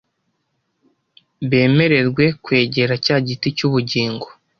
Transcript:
Bemererwe kwegera cya giti cy’ubugingo